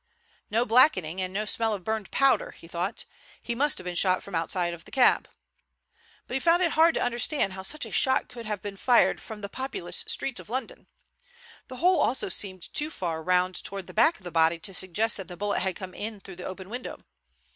"No blackening and no smell of burned powder," he thought. "He must have been shot from outside the cab." But he found it hard to understand how such a shot could have been fired from the populous streets of London. The hole also seemed too far round towards the back of the body to suggest that the bullet had come in through the open window.